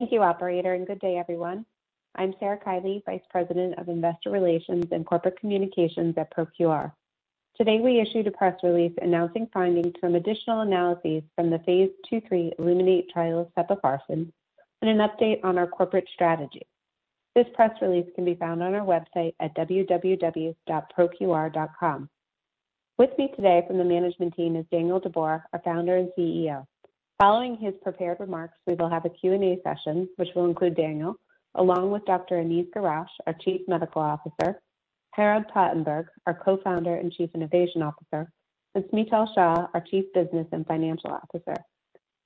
Thank you operator, and good day everyone. I'm Sarah Kiely, Vice President of Investor Relations and Corporate Affairs at ProQR. Today, we issued a press release announcing findings from additional analyses from the phase II/III Illuminate trial of sepofarsen, and an update on our corporate strategy. This press release can be found on our website at www.proqr.com. With me today from the management team is Daniel de Boer, our Founder and CEO. Following his prepared remarks, we will have a Q&A session, which will include Daniel, along with Dr. Aniz Girach, our Chief Medical Officer, Gerard Platenburg, our Co-founder and Chief Innovation Officer, and Smital Shah, our Chief Business and Financial Officer.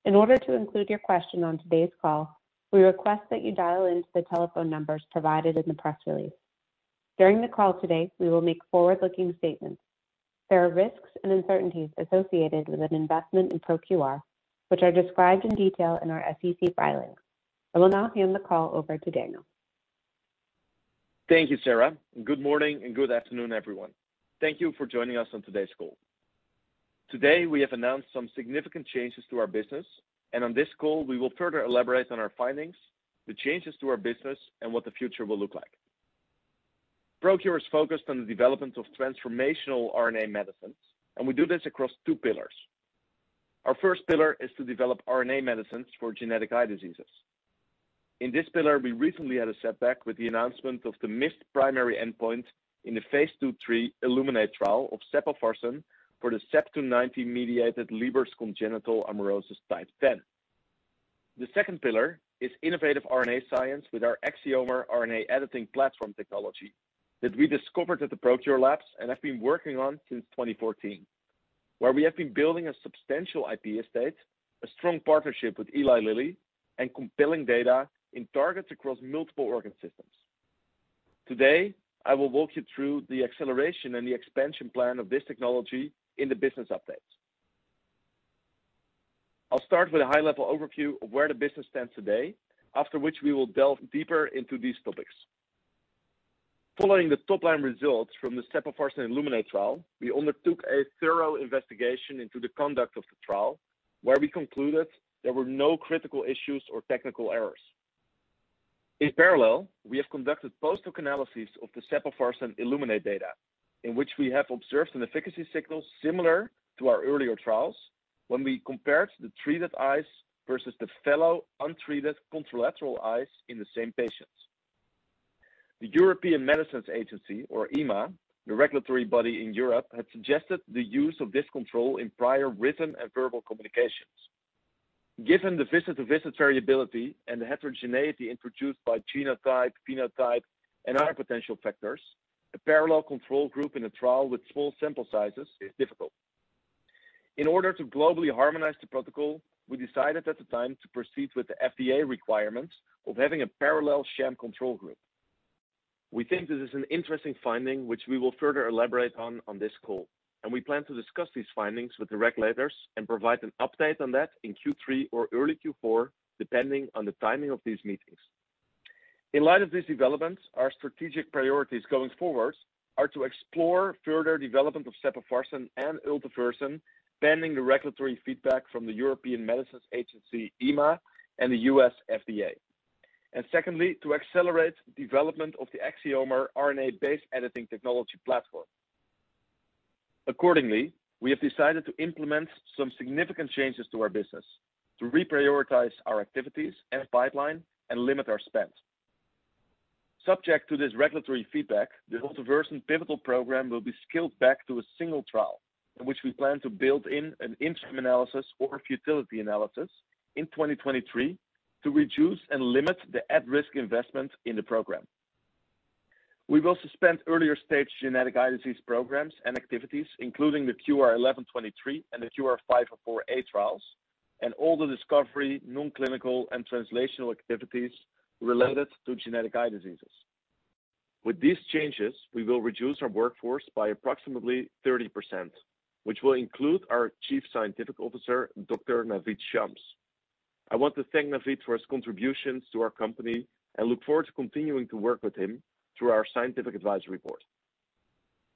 In order to include your question on today's call, we request that you dial into the telephone numbers provided in the press release. During the call today, we will make forward-looking statements. There are risks and uncertainties associated with an investment in ProQR, which are described in detail in our SEC filings. I will now hand the call over to Daniel. Thank you, Sarah, and good morning and good afternoon, everyone. Thank you for joining us on today's call. Today, we have announced some significant changes to our business, and on this call, we will further elaborate on our findings, the changes to our business, and what the future will look like. ProQR is focused on the development of transformational RNA medicines, and we do this across two pillars. Our first pillar is to develop RNA medicines for genetic eye diseases. In this pillar, we recently had a setback with the announcement of the missed primary endpoint in the phase II/III Illuminate trial of sepofarsen for the CEP290-mediated Leber congenital amaurosis 10. The second pillar is innovative RNA science with our Axiomer RNA editing platform technology that we discovered at the ProQR labs and have been working on since 2014, where we have been building a substantial IP estate, a strong partnership with Eli Lilly, and compelling data in targets across multiple organ systems. Today, I will walk you through the acceleration and the expansion plan of this technology in the business updates. I'll start with a high-level overview of where the business stands today, after which we will delve deeper into these topics. Following the top-line results from the sepofarsen Illuminate trial, we undertook a thorough investigation into the conduct of the trial, where we concluded there were no critical issues or technical errors. In parallel, we have conducted post-hoc analyses of the sepofarsen Illuminate data, in which we have observed an efficacy signal similar to our earlier trials when we compared the treated eyes versus the fellow untreated contralateral eyes in the same patients. The European Medicines Agency, or EMA, the regulatory body in Europe, had suggested the use of this control in prior written and verbal communications. Given the visit-to-visit variability and the heterogeneity introduced by genotype, phenotype, and other potential factors, a parallel control group in a trial with small sample sizes is difficult. In order to globally harmonize the protocol, we decided at the time to proceed with the FDA requirements of having a parallel sham control group. We think this is an interesting finding which we will further elaborate on this call, and we plan to discuss these findings with the regulators and provide an update on that in Q3 or early Q4, depending on the timing of these meetings. In light of these developments, our strategic priorities going forwards are to explore further development of sepofarsen and ultevursen, pending the regulatory feedback from the European Medicines Agency, EMA, and the U.S. FDA. Secondly, to accelerate development of the Axiomer RNA-based editing technology platform. Accordingly, we have decided to implement some significant changes to our business to reprioritize our activities and pipeline and limit our spend. Subject to this regulatory feedback, the ultevursen pivotal program will be scaled back to a single trial in which we plan to build in an interim analysis or futility analysis in 2023 to reduce and limit the at-risk investment in the program. We will suspend earlier-stage genetic eye disease programs and activities, including the QR-1123 and the QR-504a trials and all the discovery, non-clinical, and translational activities related to genetic eye diseases. With these changes, we will reduce our workforce by approximately 30%, which will include our Chief Scientific Officer, Dr. Naveed Shams. I want to thank Naveed for his contributions to our company and look forward to continuing to work with him through our scientific advisory board.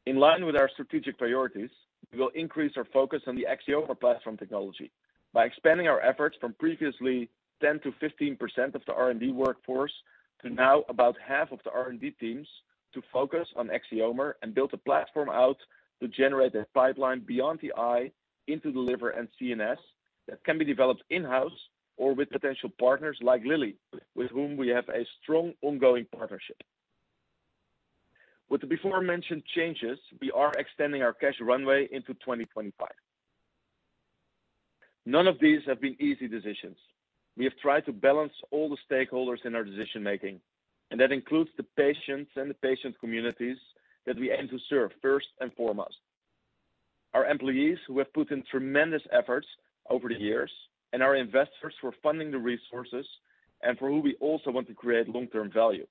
In line with our strategic priorities, we will increase our focus on the Axiomer platform technology by expanding our efforts from previously 10%-15% of the R&D workforce to now about half of the R&D teams to focus on Axiomer and build a platform out to generate a pipeline beyond the eye into the liver and CNS that can be developed in-house or with potential partners like Lilly, with whom we have a strong ongoing partnership. With the aforementioned changes, we are extending our cash runway into 2025. None of these have been easy decisions. We have tried to balance all the stakeholders in our decision-making, and that includes the patients and the patient communities that we aim to serve first and foremost. Our employees who have put in tremendous efforts over the years, and our investors who are funding the resources and for who we also want to create long-term value.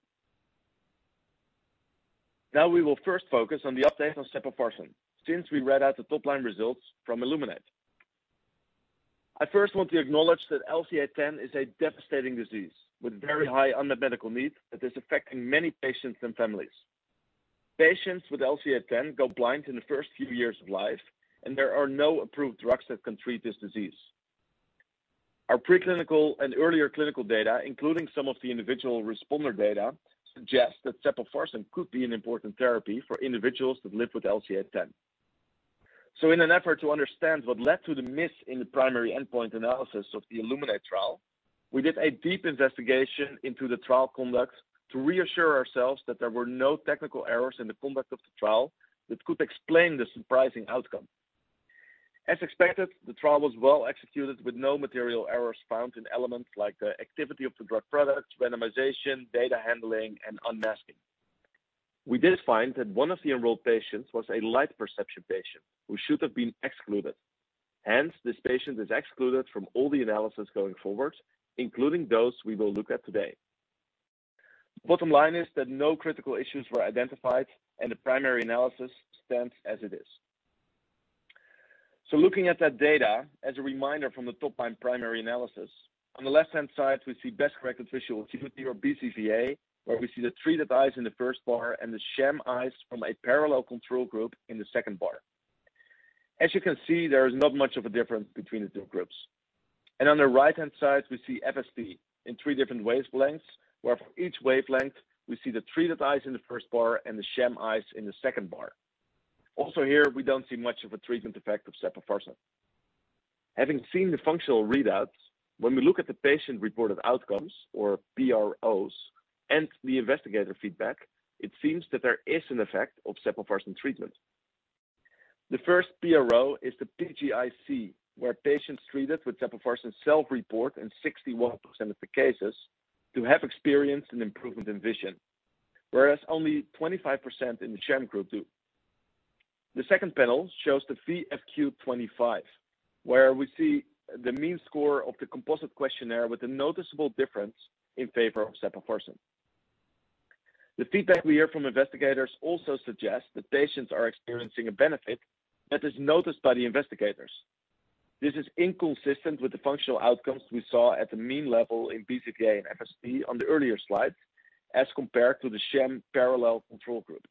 Now, we will first focus on the update on sepofarsen since we read out the top line results from Illuminate. I first want to acknowledge that LCA10 is a devastating disease with very high unmet medical need that is affecting many patients and families. Patients with LCA10 go blind in the first few years of life, and there are no approved drugs that can treat this disease. Our preclinical and earlier clinical data, including some of the individual responder data, suggests that sepofarsen could be an important therapy for individuals that live with LCA10. In an effort to understand what led to the miss in the primary endpoint analysis of the Illuminate trial, we did a deep investigation into the trial conduct to reassure ourselves that there were no technical errors in the conduct of the trial that could explain the surprising outcome. As expected, the trial was well executed with no material errors found in elements like the activity of the drug products, randomization, data handling, and unmasking. We did find that one of the enrolled patients was a light perception patient who should have been excluded. Hence, this patient is excluded from all the analysis going forward, including those we will look at today. Bottom line is that no critical issues were identified and the primary analysis stands as it is. Looking at that data as a reminder from the top line primary analysis, on the left-hand side, we see best-corrected visual acuity or BCVA, where we see the treated eyes in the first bar and the sham eyes from a parallel control group in the second bar. As you can see, there is not much of a difference between the two groups. On the right-hand side, we see FSD in three different wavelengths, where for each wavelength we see the treated eyes in the first bar and the sham eyes in the second bar. Also here, we don't see much of a treatment effect of sepofarsen. Having seen the functional readouts, when we look at the patient-reported outcomes or PROs and the investigator feedback, it seems that there is an effect of sepofarsen treatment. The first PRO is the PGIC, where patients treated with sepofarsen self-report in 61% of the cases to have experienced an improvement in vision, whereas only 25% in the sham group do. The second panel shows the VFQ-25, where we see the mean score of the composite questionnaire with a noticeable difference in favor of sepofarsen. The feedback we hear from investigators also suggests that patients are experiencing a benefit that is noticed by the investigators. This is inconsistent with the functional outcomes we saw at the mean level in BCVA and FSD on the earlier slides as compared to the sham parallel control group.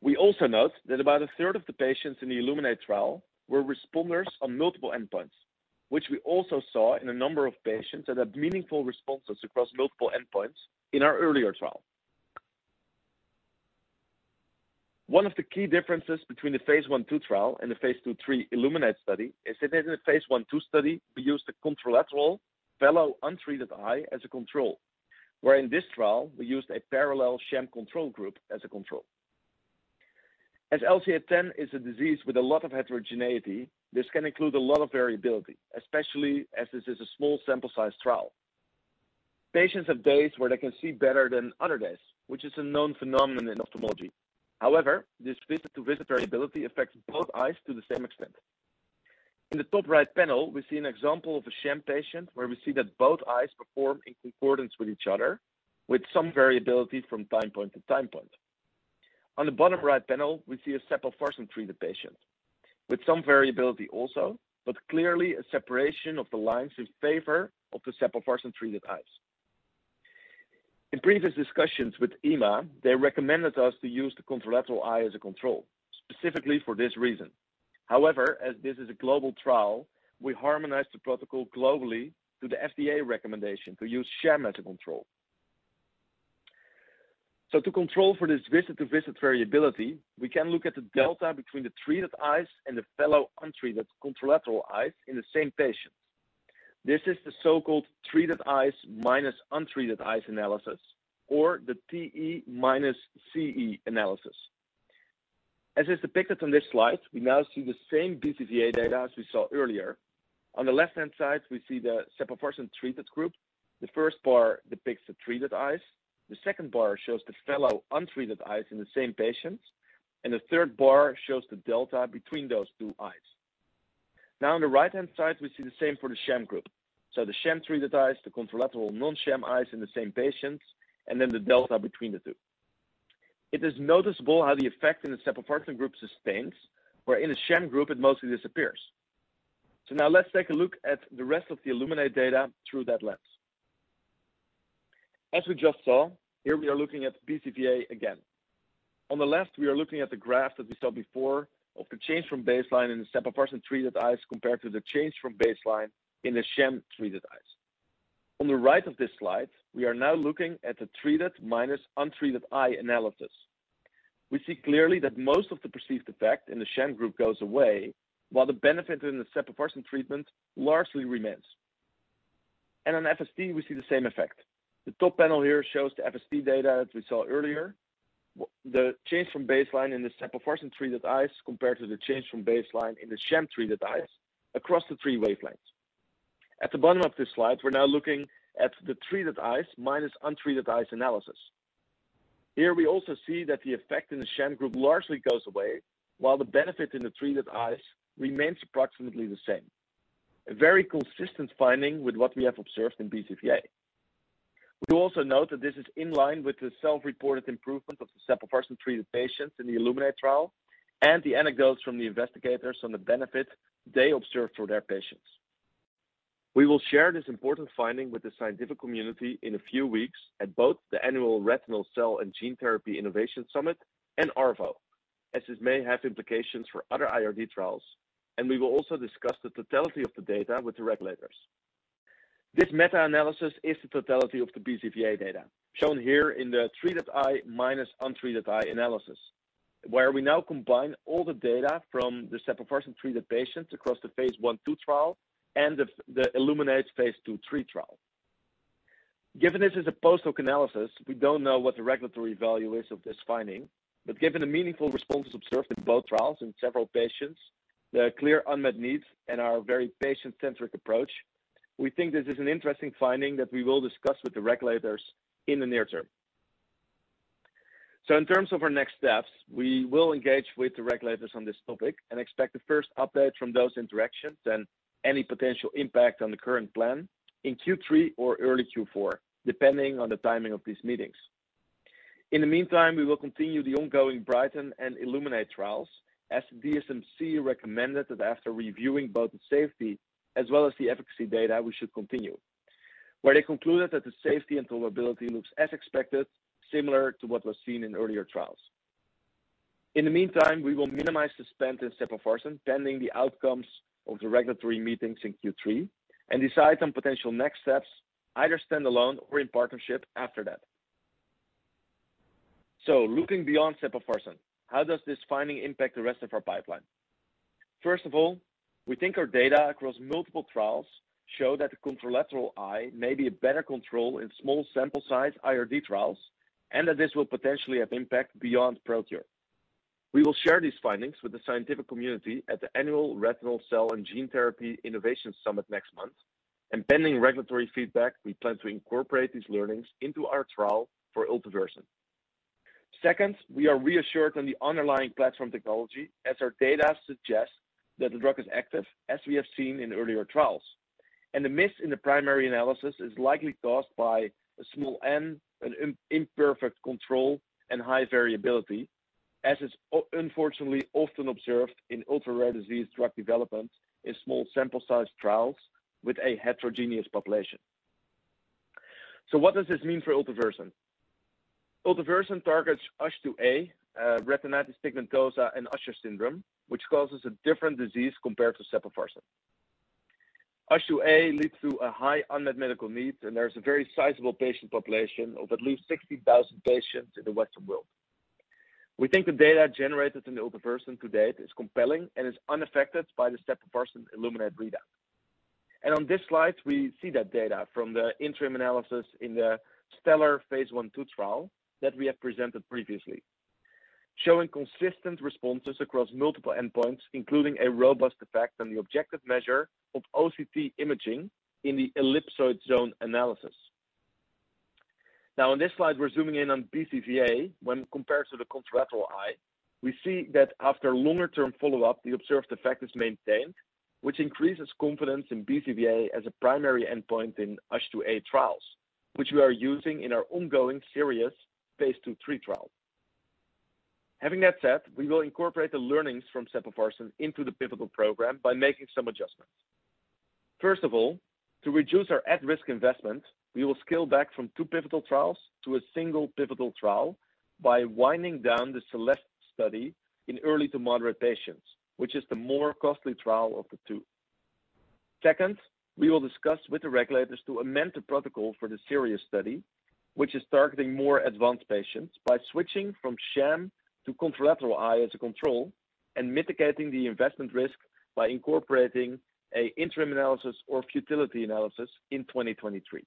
We also note that about a third of the patients in the Illuminate trial were responders on multiple endpoints, which we also saw in a number of patients that have meaningful responses across multiple endpoints in our earlier trial. One of the key differences between the phase I/II trial and the phase II/III Illuminate study is that in the phase I/II study, we used the contralateral fellow untreated eye as a control, where in this trial we used a parallel sham control group as a control. As LCA10 is a disease with a lot of heterogeneity, this can include a lot of variability, especially as this is a small sample size trial. Patients have days where they can see better than other days, which is a known phenomenon in ophthalmology. However, this visit-to-visit variability affects both eyes to the same extent. In the top right panel, we see an example of a sham patient where we see that both eyes perform in concordance with each other with some variability from time point to time point. On the bottom right panel, we see a sepofarsen-treated patient with some variability also, but clearly a separation of the lines in favor of the sepofarsen-treated eyes. In previous discussions with EMA, they recommended us to use the contralateral eye as a control, specifically for this reason. However, as this is a global trial, we harmonize the protocol globally to the FDA recommendation to use sham as a control. To control for this visit-to-visit variability, we can look at the delta between the treated eyes and the fellow untreated contralateral eyes in the same patient. This is the so-called treated eyes minus untreated eyes analysis, or the TE minus CE analysis. As is depicted on this slide, we now see the same BCVA data as we saw earlier. On the left-hand side, we see the sepofarsen-treated group. The first bar depicts the treated eyes, the second bar shows the fellow untreated eyes in the same patients, and the third bar shows the delta between those two eyes. Now on the right-hand side, we see the same for the sham group. The sham-treated eyes, the contralateral non-sham eyes in the same patients, and then the delta between the two. It is noticeable how the effect in the sepofarsen group sustains, where in the sham group it mostly disappears. Now let's take a look at the rest of the Illuminate data through that lens. As we just saw, here we are looking at BCVA again. On the left, we are looking at the graph that we saw before of the change from baseline in the sepofarsen-treated eyes compared to the change from baseline in the sham-treated eyes. On the right of this slide, we are now looking at the treated minus untreated eye analysis. We see clearly that most of the perceived effect in the sham group goes away while the benefit in the sepofarsen treatment largely remains. On FSD we see the same effect. The top panel here shows the FSD data that we saw earlier, the change from baseline in the sepofarsen-treated eyes compared to the change from baseline in the sham-treated eyes across the three wavelengths. At the bottom of this slide, we're now looking at the treated eyes minus untreated eyes analysis. Here we also see that the effect in the sham group largely goes away while the benefit in the treated eyes remains approximately the same. A very consistent finding with what we have observed in BCVA. We also note that this is in line with the self-reported improvement of the sepofarsen-treated patients in the Illuminate trial and the anecdotes from the investigators on the benefit they observed for their patients. We will share this important finding with the scientific community in a few weeks at both the annual Retinal Cell and Gene Therapy Innovation Summit and ARVO, as this may have implications for other IRD trials, and we will also discuss the totality of the data with the regulators. This meta-analysis is the totality of the BCVA data shown here in the treated eye minus untreated eye analysis, where we now combine all the data from the sepofarsen-treated patients across the phase I/II trial and the Illuminate phase II/III trial. Given this is a post-hoc analysis, we don't know what the regulatory value is of this finding, but given the meaningful responses observed in both trials in several patients, the clear unmet needs and our very patient-centric approach, we think this is an interesting finding that we will discuss with the regulators in the near term. In terms of our next steps, we will engage with the regulators on this topic and expect the first update from those interactions and any potential impact on the current plan in Q3 or early Q4, depending on the timing of these meetings. In the meantime, we will continue the ongoing Brighten and Illuminate trials as DSMC recommended that after reviewing both the safety as well as the efficacy data, we should continue. Where they concluded that the safety and tolerability looks as expected, similar to what was seen in earlier trials. In the meantime, we will minimize the spend in sepofarsen pending the outcomes of the regulatory meetings in Q3 and decide on potential next steps, either stand-alone or in partnership after that. Looking beyond sepofarsen, how does this finding impact the rest of our pipeline? First of all, we think our data across multiple trials show that the contralateral eye may be a better control in small sample size IRD trials, and that this will potentially have impact beyond ProQR. We will share these findings with the scientific community at the annual Retinal Cell and Gene Therapy Innovation Summit next month. Pending regulatory feedback, we plan to incorporate these learnings into our trial for ultevursen. Second, we are reassured on the underlying platform technology as our data suggests that the drug is active as we have seen in earlier trials. The miss in the primary analysis is likely caused by a small N, an imperfect control and high variability, as is unfortunately often observed in ultra-rare disease drug development in small sample size trials with a heterogeneous population. What does this mean for ultevursen? Ultevursen targets USH2A, retinitis pigmentosa and Usher syndrome, which causes a different disease compared to sepofarsen. USH2A leads to a high unmet medical need, and there's a very sizable patient population of at least 60,000 patients in the Western world. We think the data generated in ultevursen to date is compelling and is unaffected by the sepofarsen Illuminate readout. On this slide, we see that data from the interim analysis in the Stellar phase I/II trial that we have presented previously, showing consistent responses across multiple endpoints, including a robust effect on the objective measure of OCT imaging in the ellipsoid zone analysis. Now on this slide, we're zooming in on BCVA when compared to the contralateral eye. We see that after longer term follow-up, the observed effect is maintained, which increases confidence in BCVA as a primary endpoint in USH2A trials, which we are using in our ongoing Sirius phase II/III trial. Having that said, we will incorporate the learnings from sepofarsen into the pivotal program by making some adjustments. First of all, to reduce our at-risk investment, we will scale back from two pivotal trials to a single pivotal trial by winding down the Celeste study in early to moderate patients, which is the more costly trial of the two. Second, we will discuss with the regulators to amend the protocol for the Sirius study, which is targeting more advanced patients by switching from sham to contralateral eye as a control and mitigating the investment risk by incorporating a interim analysis or futility analysis in 2023.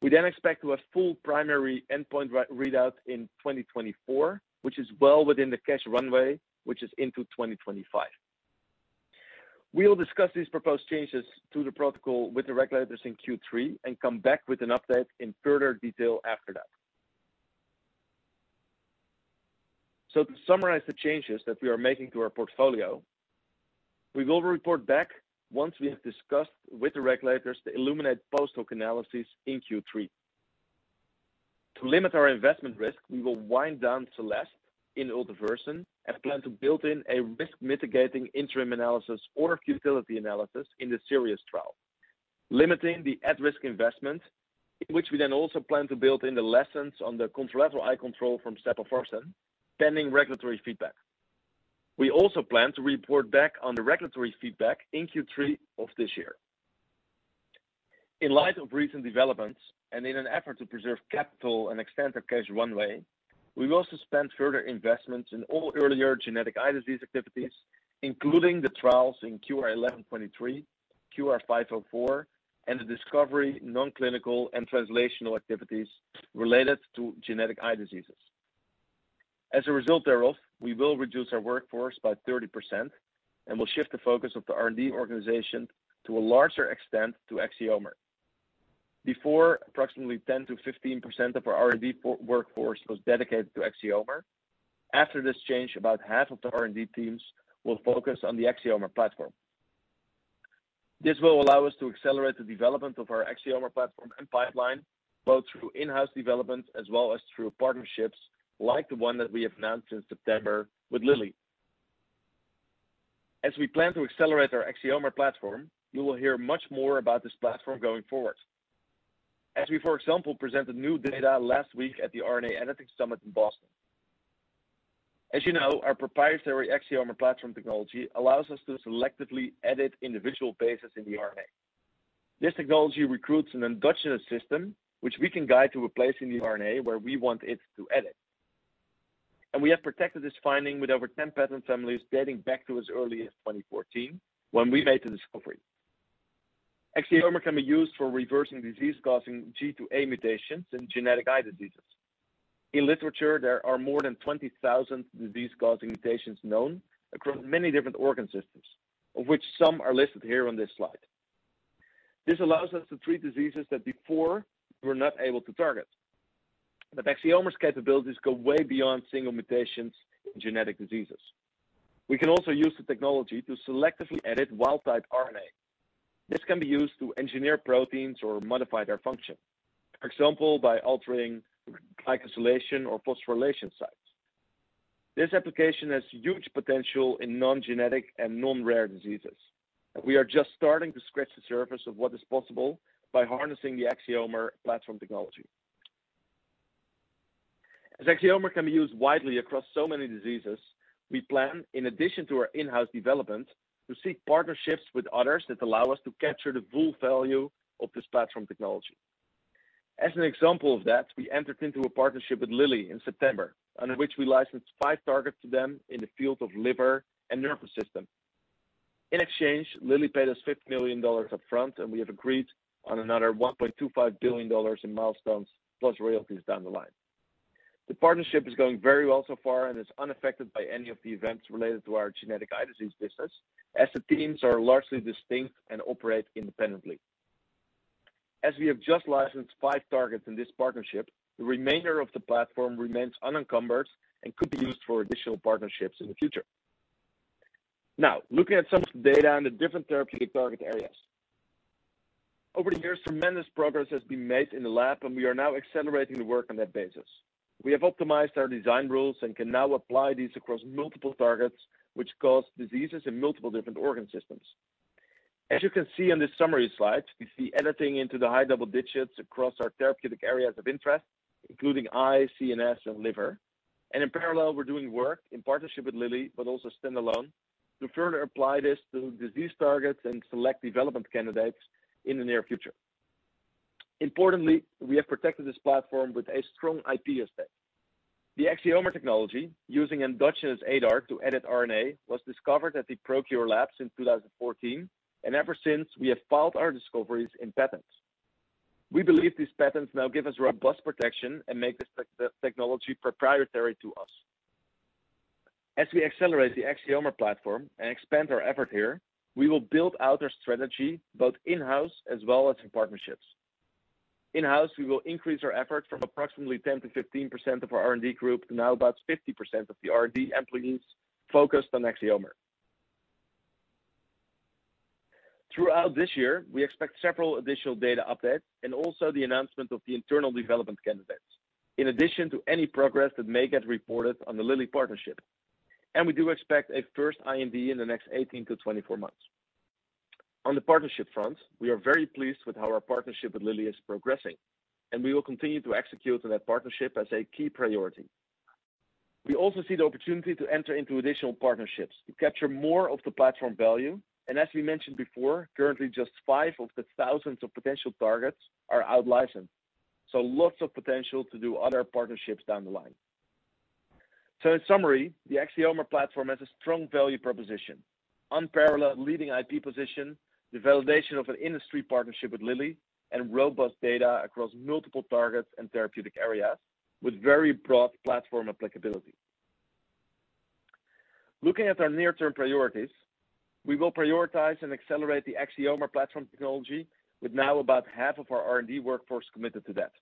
We then expect to have full primary endpoint re-readout in 2024, which is well within the cash runway, which is into 2025. We will discuss these proposed changes to the protocol with the regulators in Q3 and come back with an update in further detail after that. To summarize the changes that we are making to our portfolio, we will report back once we have discussed with the regulators the Illuminate post-hoc analysis in Q3. To limit our investment risk, we will wind down Celeste in ultevursen and plan to build in a risk mitigating interim analysis or futility analysis in the Sirius trial, limiting the at-risk investment, in which we then also plan to build in the lessons on the contralateral eye control from sepofarsen, pending regulatory feedback. We also plan to report back on the regulatory feedback in Q3 of this year. In light of recent developments and in an effort to preserve capital and extend our cash runway, we will suspend further investments in all earlier genetic eye disease activities, including the trials in QR-1123, QR-504a, and the discovery, non-clinical and translational activities related to genetic eye diseases. As a result thereof, we will reduce our workforce by 30% and will shift the focus of the R&D organization to a larger extent to Axiomer. Before, approximately 10%-15% of our R&D workforce was dedicated to Axiomer. After this change, about half of the R&D teams will focus on the Axiomer platform. This will allow us to accelerate the development of our Axiomer platform and pipeline, both through in-house development as well as through partnerships like the one that we have announced in September with Lilly. As we plan to accelerate our Axiomer platform, you will hear much more about this platform going forward. As we, for example, presented new data last week at the RNA Editing Summit in Boston. As you know, our proprietary Axiomer platform technology allows us to selectively edit individual bases in the RNA. This technology recruits an endogenous system, which we can guide to a place in the RNA where we want it to edit. We have protected this finding with over 10 patent families dating back to as early as 2014, when we made the discovery. Axiomer can be used for reversing disease-causing G-to-A mutations in genetic eye diseases. In literature, there are more than 20,000 disease-causing mutations known across many different organ systems, of which some are listed here on this slide. This allows us to treat diseases that before we were not able to target. Axiomer's capabilities go way beyond single mutations in genetic diseases. We can also use the technology to selectively edit wild-type RNA. This can be used to engineer proteins or modify their function. For example, by altering glycosylation or phosphorylation sites. This application has huge potential in non-genetic and non-rare diseases, and we are just starting to scratch the surface of what is possible by harnessing the Axiomer platform technology. As Axiomer can be used widely across so many diseases, we plan, in addition to our in-house development, to seek partnerships with others that allow us to capture the full value of this platform technology. As an example of that, we entered into a partnership with Lilly in September, under which we licensed five targets to them in the field of liver and nervous system. In exchange, Lilly paid us $50 million up front, and we have agreed on another $1.25 billion in milestones, plus royalties down the line. The partnership is going very well so far and is unaffected by any of the events related to our genetic eye disease business, as the teams are largely distinct and operate independently. As we have just licensed five targets in this partnership, the remainder of the platform remains unencumbered and could be used for additional partnerships in the future. Now, looking at some of the data in the different therapeutic target areas. Over the years, tremendous progress has been made in the lab, and we are now accelerating the work on that basis. We have optimized our design rules and can now apply these across multiple targets, which cause diseases in multiple different organ systems. As you can see on this summary slide, we see editing into the high double digits across our therapeutic areas of interest, including eye, CNS, and liver. In parallel, we're doing work in partnership with Lilly, but also standalone, to further apply this to disease targets and select development candidates in the near future. Importantly, we have protected this platform with a strong IP estate. The Axiomer technology, using endogenous ADAR to edit RNA, was discovered at the ProQR labs in 2014, and ever since, we have filed our discoveries in patents. We believe these patents now give us robust protection and make this technology proprietary to us. As we accelerate the Axiomer platform and expand our effort here, we will build out our strategy, both in-house as well as in partnerships. In-house, we will increase our efforts from approximately 10%-15% of our R&D group to now about 50% of the R&D employees focused on Axiomer. Throughout this year, we expect several additional data updates and also the announcement of the internal development candidates, in addition to any progress that may get reported on the Lilly partnership. We do expect a first IND in the next 18-24 months. On the partnership front, we are very pleased with how our partnership with Lilly is progressing, and we will continue to execute on that partnership as a key priority. We also see the opportunity to enter into additional partnerships to capture more of the platform value. As we mentioned before, currently just five of the thousands of potential targets are out-licensed. Lots of potential to do other partnerships down the line. In summary, the Axiomer platform has a strong value proposition, unparalleled leading IP position, the validation of an industry partnership with Lilly, and robust data across multiple targets and therapeutic areas with very broad platform applicability. Looking at our near-term priorities, we will prioritize and accelerate the Axiomer platform technology, with now about half of our R&D workforce committed to that.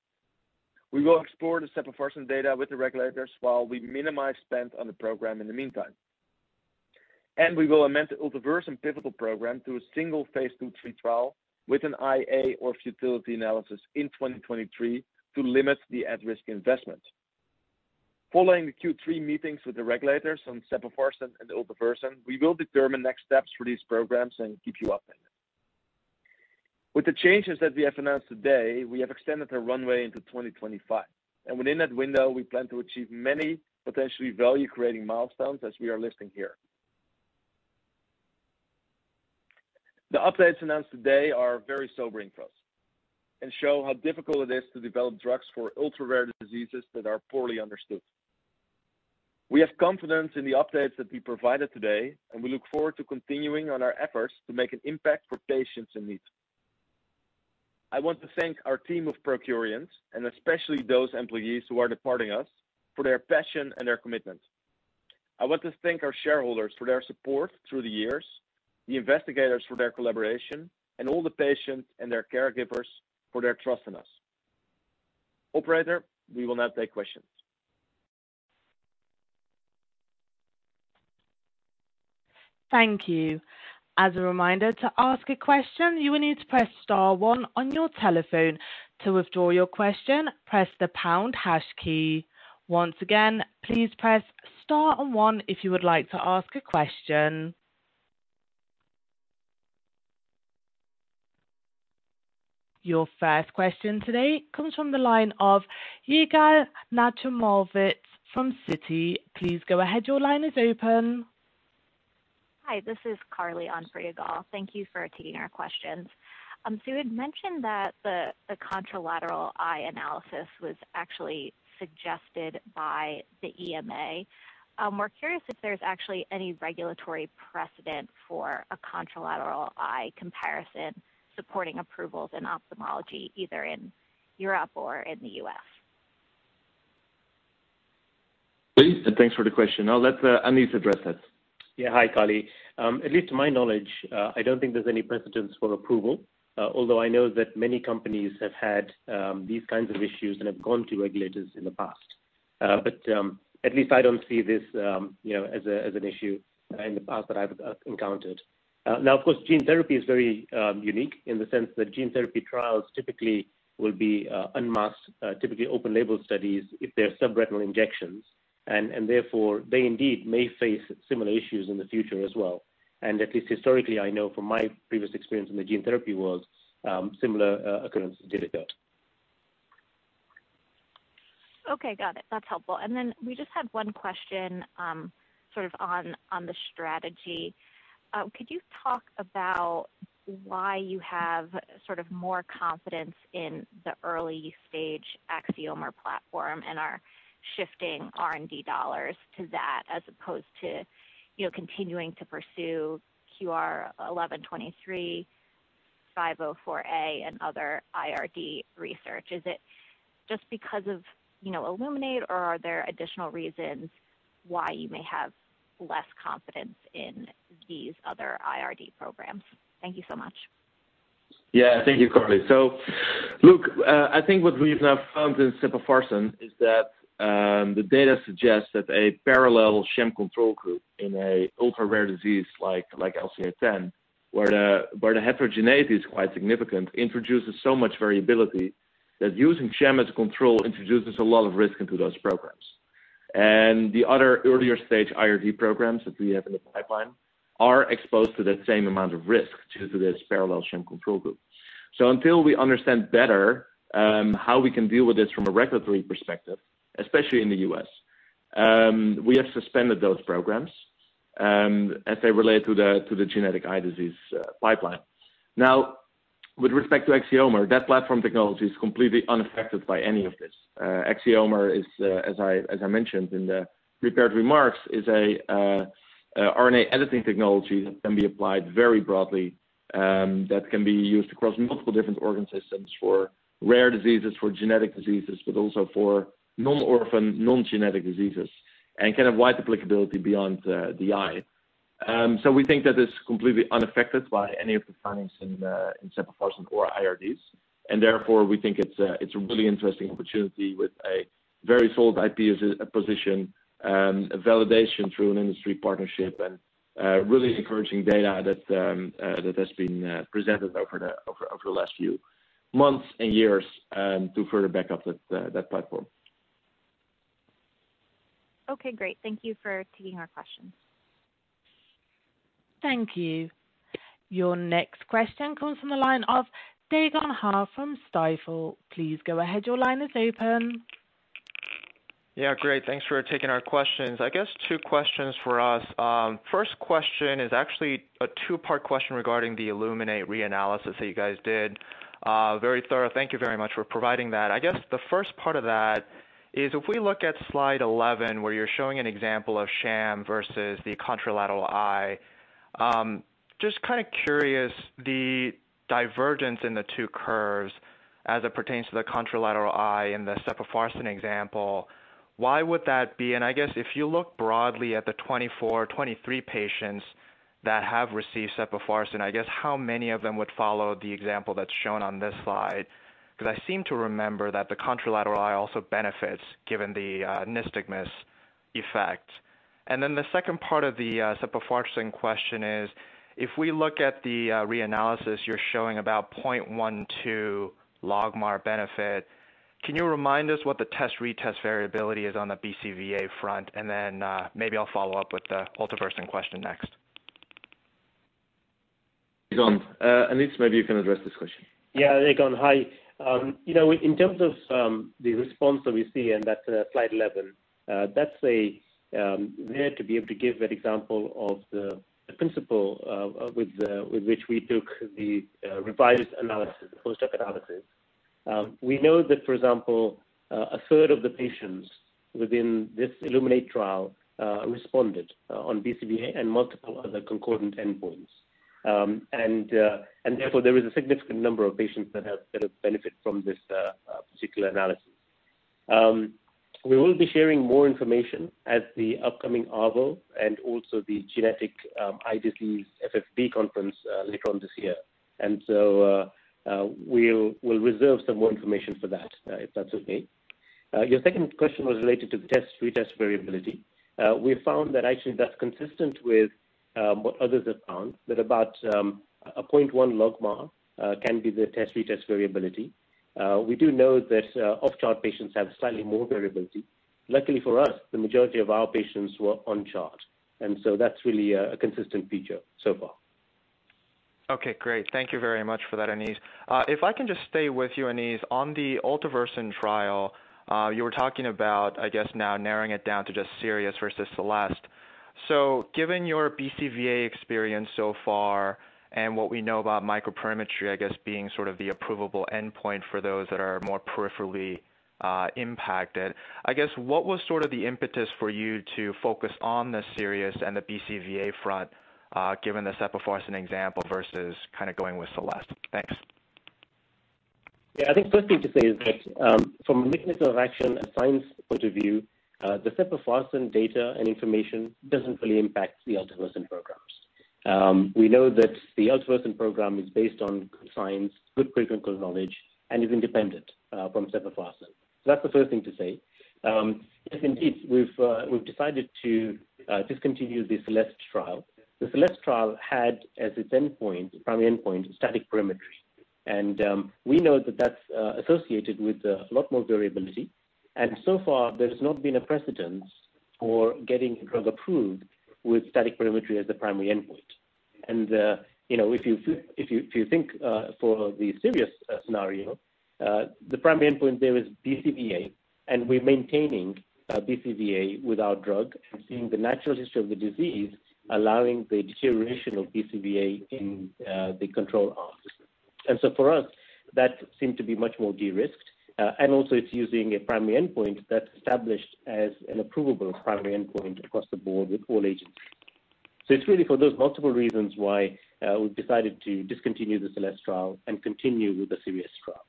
We will explore the sepofarsen data with the regulators while we minimize spend on the program in the meantime. We will amend the ultevursen pivotal program to a single phase II/III trial with an IA or futility analysis in 2023 to limit the at-risk investment. Following the Q3 meetings with the regulators on sepofarsen and ultevursen, we will determine next steps for these programs and keep you updated. With the changes that we have announced today, we have extended our runway into 2025, and within that window, we plan to achieve many potentially value-creating milestones as we are listing here. The updates announced today are very sobering for us and show how difficult it is to develop drugs for ultra-rare diseases that are poorly understood. We have confidence in the updates that we provided today, and we look forward to continuing on our efforts to make an impact for patients in need. I want to thank our team of ProQR-ians, and especially those employees who are departing us, for their passion and their commitment. I want to thank our shareholders for their support through the years, the investigators for their collaboration, and all the patients and their caregivers for their trust in us. Operator, we will now take questions. Thank you. As a reminder, to ask a question, you will need to press star one on your telephone. To withdraw your question, press the pound hash key. Once again, please press star and one if you would like to ask a question. Your first question today comes from the line of Yigal Nochomovitz from Citi. Please go ahead. Your line is open. Hi, this is Carly on for Yigal. Thank you for taking our questions. You had mentioned that the contralateral eye analysis was actually suggested by the EMA. We're curious if there's actually any regulatory precedent for a contralateral eye comparison supporting approvals in ophthalmology, either in Europe or in the U.S. Please, and thanks for the question. I'll let Aniz address that. Yeah. Hi, Carly. At least to my knowledge, I don't think there's any precedent for approval, although I know that many companies have had these kinds of issues and have gone to regulators in the past. At least I don't see this, you know, as an issue in the past that I've encountered. Now, of course, gene therapy is very unique in the sense that gene therapy trials typically will be unmasked, typically open-label studies if they're subretinal injections, and therefore, they indeed may face similar issues in the future as well. At least historically, I know from my previous experience in the gene therapy world, similar occurrences did occur. Okay. Got it. That's helpful. We just had one question, sort of on the strategy. Could you talk about why you have sort of more confidence in the early stage Axiomer platform and are shifting R&D dollars to that as opposed to, you know, continuing to pursue QR-1123, QR-504a, and other IRD research? Is it just because of, you know, Illuminate, or are there additional reasons why you may have less confidence in these other IRD programs? Thank you so much. Yeah. Thank you, Carly. Look, I think what we've now found in sepofarsen is that the data suggests that a parallel sham control group in an ultra-rare disease like LCA10, where the heterogeneity is quite significant, introduces so much variability that using sham as a control introduces a lot of risk into those programs. The other earlier stage IRD programs that we have in the pipeline are exposed to that same amount of risk due to this parallel sham control group. Until we understand better how we can deal with this from a regulatory perspective, especially in the U.S., we have suspended those programs as they relate to the genetic eye disease pipeline. Now, with respect to Axiomer, that platform technology is completely unaffected by any of this. Axiomer is, as I mentioned in the prepared remarks, a RNA editing technology that can be applied very broadly, that can be used across multiple different organ systems for rare diseases, for genetic diseases, but also for non-orphan, non-genetic diseases, and can have wide applicability beyond the eye. We think that it's completely unaffected by any of the findings in sepofarsen or IRDs. Therefore, we think it's a really interesting opportunity with a very solid IP position, a validation through an industry partnership and really encouraging data that has been presented over the last few months and years to further back up that platform. Okay. Great. Thank you for taking our questions. Thank you. Your next question comes from the line of Dae Gon Ha from Stifel. Please go ahead. Your line is open. Yeah. Great. Thanks for taking our questions. I guess two questions for us. First question is actually a two-part question regarding the Illuminate reanalysis that you guys did. Very thorough. Thank you very much for providing that. I guess the first part of that is if we look at slide 11, where you're showing an example of sham versus the contralateral eye, just kinda curious, the divergence in the two curves as it pertains to the contralateral eye in the sepofarsen example, why would that be? And I guess if you look broadly at the 24, 23 patients that have received sepofarsen, I guess how many of them would follow the example that's shown on this slide? Because I seem to remember that the contralateral eye also benefits given the nystagmus effect. The second part of the sepofarsen question is, if we look at the reanalysis you're showing about 0.12 logMAR benefit, can you remind us what the test-retest variability is on the BCVA front? Maybe I'll follow up with the ultevursen question next. Dae Gon, Aniz, maybe you can address this question. Yeah. Dae Gon Ha, hi. You know, in terms of the response that we see in that slide 11, that's a. We had to be able to give that example of the principle with which we took the revised analysis, the post-hoc analysis. We know that, for example, a third of the patients within this Illuminate trial responded on BCVA and multiple other concordant endpoints. And therefore there is a significant number of patients that have benefited from this particular analysis. We will be sharing more information at the upcoming ARVO and also the Genetic Eye Disease FFB Conference later on this year. We'll reserve some more information for that, if that's okay. Your second question was related to the test-retest variability. We found that actually that's consistent with what others have found, that about 0.1 logMAR can be the test-retest variability. We do know that off-chart patients have slightly more variability. Luckily for us, the majority of our patients were on chart, and so that's really a consistent feature so far. Okay, great. Thank you very much for that, Aniz. If I can just stay with you, Aniz. On the ultevursen trial, you were talking about, I guess, now narrowing it down to just Sirius versus Celeste. Given your BCVA experience so far and what we know about microperimetry, I guess, being sort of the approvable endpoint for those that are more peripherally impacted, I guess, what was sort of the impetus for you to focus on the Sirius and the BCVA front, given the sepofarsen example versus kind of going with Celeste? Thanks. Yeah. I think first thing to say is that, from a mechanism of action and science point of view, the sepofarsen data and information doesn't really impact the ultevursen programs. We know that the ultevursen program is based on good science, good preclinical knowledge, and is independent from sepofarsen. That's the first thing to say. Yes indeed, we've decided to discontinue the Celeste trial. The Celeste trial had as its endpoint, primary endpoint, static perimetry. We know that that's associated with a lot more variability. So far, there's not been a precedent for getting a drug approved with static perimetry as the primary endpoint. You know, if you think for the Sirius scenario, the primary endpoint there is BCVA, and we're maintaining BCVA with our drug and seeing the natural history of the disease, allowing the deterioration of BCVA in the control arm. For us, that seemed to be much more de-risked. Also it's using a primary endpoint that's established as an approvable primary endpoint across the board with all agents. It's really for those multiple reasons why we've decided to discontinue the Celeste trial and continue with the Sirius trial.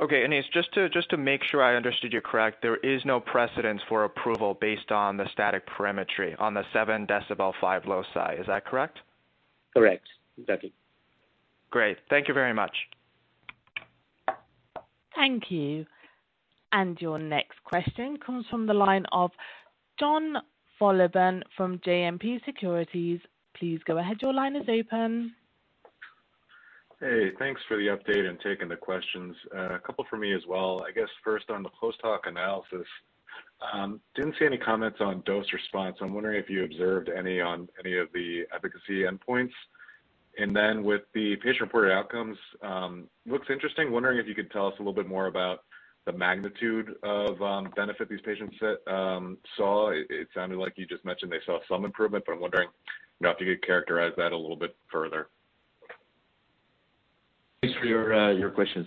Okay. Aniz, just to make sure I understood you correctly, there is no precedent for approval based on the static perimetry on the 7 dB / 5 loci. Is that correct? Correct. Exactly. Great. Thank you very much. Thank you. Your next question comes from the line of Jon Wolleben from JMP Securities. Please go ahead. Your line is open. Hey. Thanks for the update and taking the questions. A couple from me as well. I guess first on the post-hoc analysis, didn't see any comments on dose response. I'm wondering if you observed any on any of the efficacy endpoints. With the patient-reported outcomes, looks interesting. Wondering if you could tell us a little bit more about the magnitude of benefit these patients saw. It sounded like you just mentioned they saw some improvement, but I'm wondering if you could characterize that a little bit further. Thanks for your question.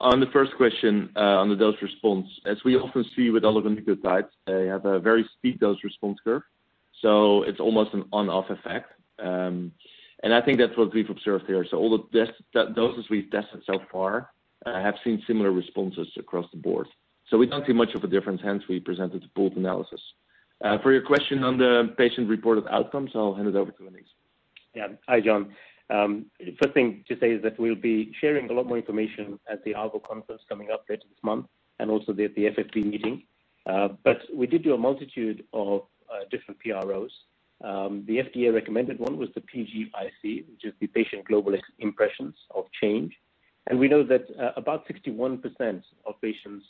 On the first question, on the dose response, as we often see with all of the nucleotides, they have a very steep dose response curve, so it's almost an on/off effect. I think that's what we've observed here. All the test doses we've tested so far have seen similar responses across the board. We don't see much of a difference, hence we presented the pooled analysis. For your question on the patient-reported outcomes, I'll hand it over to Aniz. Yeah. Hi, Jon. First thing to say is that we'll be sharing a lot more information at the ARVO conference coming up later this month and also at the FFB meeting. We did do a multitude of different PROs. The FDA recommended one was the PGIC, which is the Patient Global Impressions of Change. We know that about 61% of patients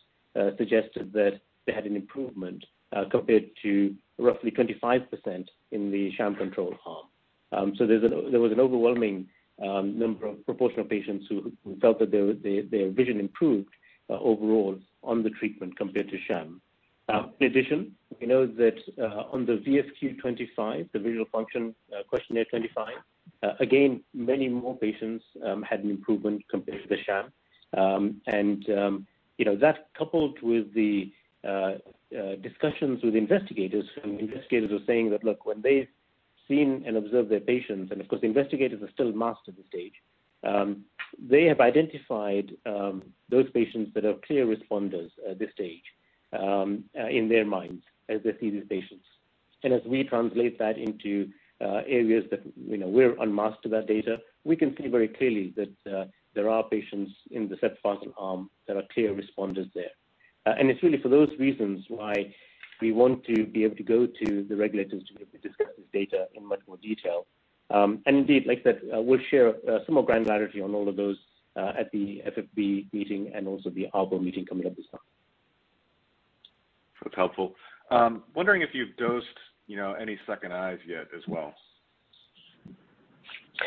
suggested that they had an improvement compared to roughly 25% in the sham control arm. There was an overwhelming proportion of patients who felt that their vision improved overall on the treatment compared to sham. In addition, we know that on the VFQ-25, the Visual Function Questionnaire-25, again, many more patients had an improvement compared to the sham. You know, that coupled with the discussions with investigators, and investigators were saying that, look, when they've seen and observed their patients, and of course, the investigators are still masked at this stage, they have identified those patients that are clear responders at this stage, in their minds as they see these patients. As we translate that into areas that, you know, we're unmasked to that data, we can see very clearly that there are patients in the sepofarsen arm that are clear responders there. It's really for those reasons why we want to be able to go to the regulators to be able to discuss this data in much more detail. Indeed, like I said, we'll share some more granularity on all of those at the FFB meeting and also the ARVO meeting coming up this month. That's helpful. Wondering if you've dosed, you know, any second eyes yet as well?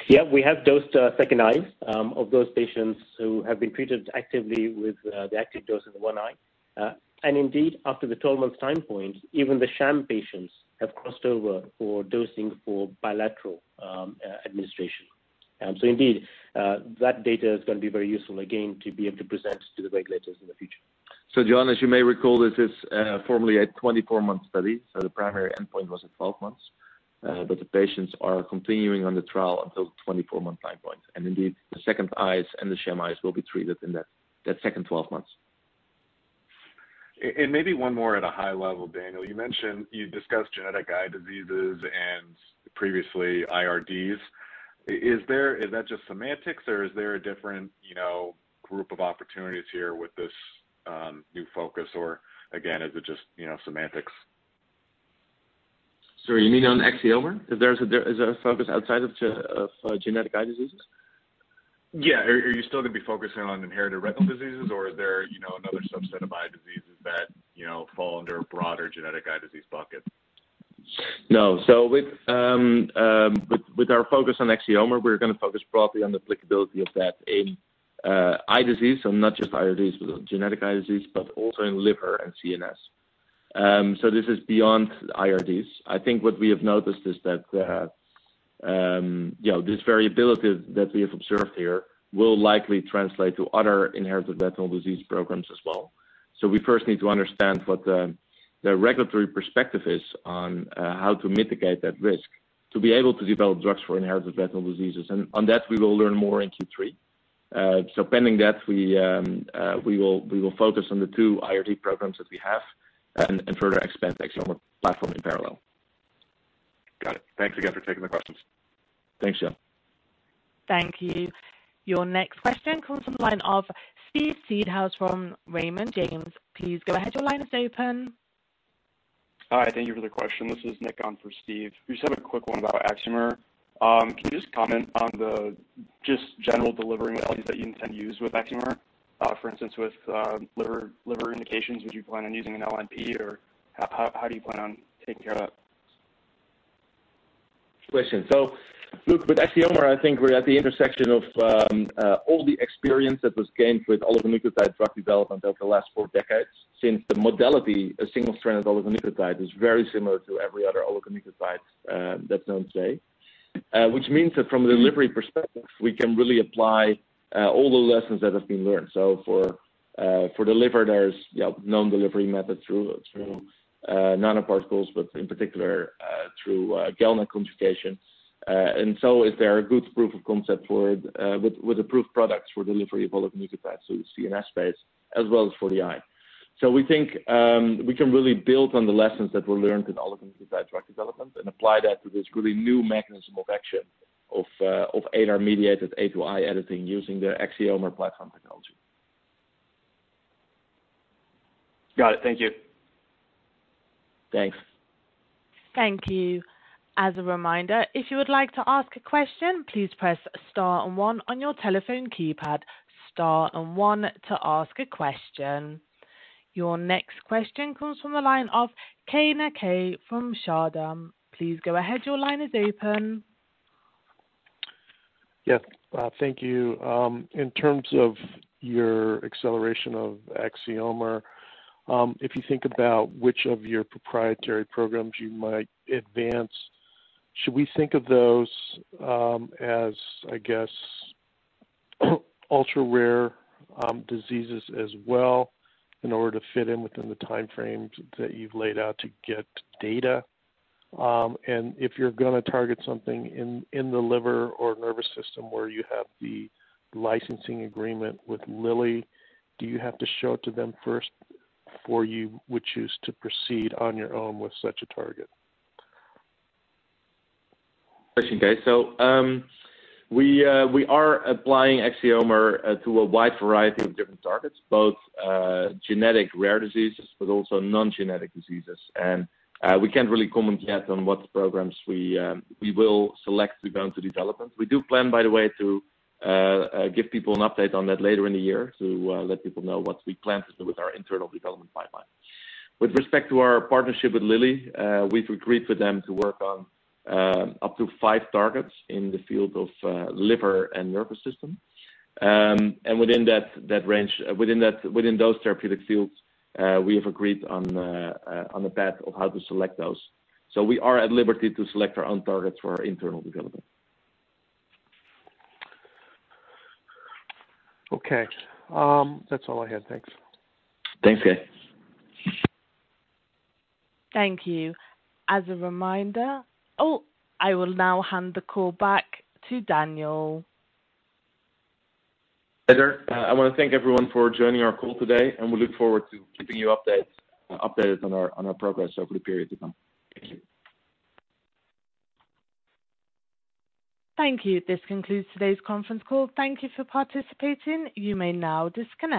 Yeah, we have dosed second eyes of those patients who have been treated actively with the active dose in one eye. Indeed, after the 12 months time point, even the sham patients have crossed over for dosing for bilateral administration. Indeed, that data is gonna be very useful again to be able to present to the regulators in the future. Jon, as you may recall, this is formerly a 24-month study, so the primary endpoint was at 12 months. But the patients are continuing on the trial until the 24-month time point. Indeed, the second eyes and the sham eyes will be treated in that second 12 months. Maybe one more at a high level, Daniel. You mentioned you discussed genetic eye diseases and previously IRDs. Is that just semantics or is there a different, you know, group of opportunities here with this new focus? Or again, is it just, you know, semantics? Sorry, you mean on Axiomer? Is there a focus outside of genetic eye diseases? Yeah. Are you still gonna be focusing on inherited retinal diseases or are there, you know, another subset of eye diseases that, you know, fall under a broader genetic eye disease bucket? No. With our focus on Axiomer, we're gonna focus broadly on the applicability of that in eye disease. Not just IRDs, but genetic eye disease, but also in liver and CNS. This is beyond IRDs. I think what we have noticed is that, you know, this variability that we have observed here will likely translate to other inherited retinal disease programs as well. We first need to understand what the regulatory perspective is on how to mitigate that risk to be able to develop drugs for inherited retinal diseases. On that, we will learn more in Q3. Pending that, we will focus on the two IRD programs that we have and further expand the Axiomer platform in parallel. Got it. Thanks again for taking the questions. Thanks, Jon. Thank you. Your next question comes from the line of Steve Seedhouse from Raymond James. Please go ahead. Your line is open. Hi, thank you for the question. This is Nick on for Steve. We just have a quick one about Axiomer. Can you just comment on the just general delivery modalities that you intend to use with Axiomer? For instance, with liver indications, would you plan on using an LNP, or how do you plan on taking care of that? Question. Look, with Axiomer, I think we're at the intersection of all the experience that was gained with oligonucleotide drug development over the last four decades since the modality, a single-strand oligonucleotide, is very similar to every other oligonucleotide that's known today. Which means that from a delivery perspective, we can really apply all the lessons that have been learned. For delivery, there's known delivery method through nanoparticles, but in particular, through GalNAc conjugation. Is there a good proof of concept for with approved products for delivery of oligonucleotides to the CNS space as well as for the eye? We think we can really build on the lessons that were learned in oligonucleotide drug development and apply that to this really new mechanism of action of ADAR-mediated A-to-I editing using the Axiomer platform technology. Got it. Thank you. Thanks. Thank you. As a reminder, if you would like to ask a question, please press star and one on your telephone keypad. Star and one to ask a question. Your next question comes from the line of Keay Nakae from Chardan. Please go ahead. Your line is open. Yeah. Thank you. In terms of your acceleration of Axiomer, if you think about which of your proprietary programs you might advance, should we think of those as I guess ultra-rare diseases as well in order to fit in within the time frames that you've laid out to get data? If you're gonna target something in the liver or nervous system where you have the licensing agreement with Lilly, do you have to show it to them first before you would choose to proceed on your own with such a target? Actually, Keay. We are applying Axiomer to a wide variety of different targets, both genetic rare diseases but also non-genetic diseases. We can't really comment yet on what programs we will select to go into development. We do plan, by the way, to give people an update on that later in the year to let people know what we plan to do with our internal development pipeline. With respect to our partnership with Lilly, we've agreed for them to work on up to 5 targets in the field of liver and nervous system. Within that range, within those therapeutic fields, we have agreed on the path of how to select those. We are at liberty to select our own targets for our internal development. Okay. That's all I had. Thanks. Thanks, Keay. Thank you. As a reminder, oh, I will now hand the call back to Daniel. Heather, I wanna thank everyone for joining our call today, and we look forward to keeping you updated on our progress over the period to come. Thank you. Thank you. This concludes today's conference call. Thank you for participating. You may now disconnect.